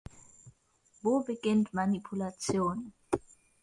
Wo beginnt Manipulation?